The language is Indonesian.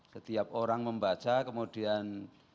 setiap orang membaca kemudian